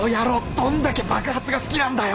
どんだけ爆発が好きなんだよ